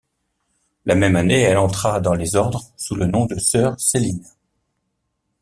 La même année, elle entra dans les ordres sous le nom de sœur Celine.